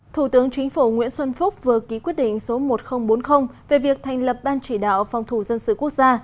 thủ tướng chính phủ nguyễn xuân phúc vừa ký quyết định số một nghìn bốn mươi về việc thành lập ban chỉ đạo phòng thủ dân sự quốc gia